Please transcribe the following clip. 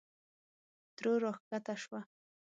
ترور راکښته شوه.